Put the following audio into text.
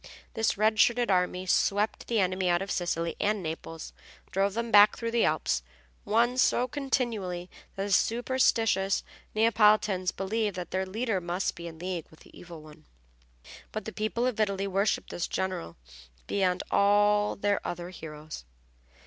This red shirted army swept the enemy out of Sicily and Naples, drove them back through the Alps, won so continually that the superstitious Neapolitans believed that their leader must be in league with the Evil One. But the people of Italy worshiped this general beyond all their other heroes.